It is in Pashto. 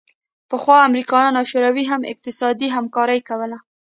پخوا امریکا او شوروي هم اقتصادي همکاري کوله